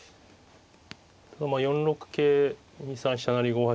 ４六桂２三飛車成５八